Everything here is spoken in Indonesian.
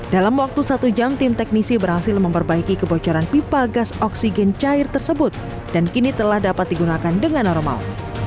dalam waktu satu jam tim teknisi berhasil memperbaiki kebocoran pipa gas oksigen cair tersebut dan kini telah dapat digunakan dengan normal